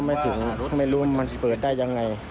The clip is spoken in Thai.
ไม่รู้มันเปิดได้ยังไง